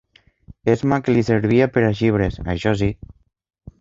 Esma que li servia per als llibres, això sí